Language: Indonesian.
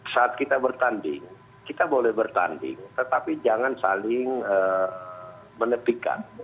saat kita bertanding kita boleh bertanding tetapi jangan saling menepikan